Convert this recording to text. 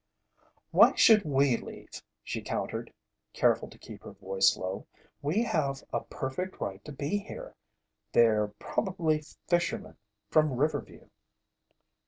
"Why should we leave?" she countered, careful to keep her voice low. "We have a perfect right to be here. They're probably fishermen from Riverview."